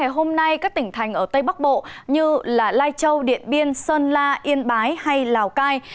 hôm nay các tỉnh thành ở tây bắc bộ như lai châu điện biên sơn la yên bái hay lào cai